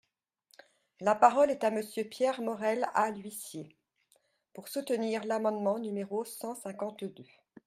La parole est à Monsieur Pierre Morel-A-L’Huissier, pour soutenir l’amendement numéro cent cinquante-deux.